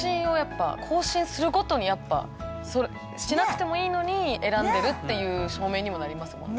更新するごとにやっぱしなくてもいいのに選んでるっていう証明にもなりますもんね。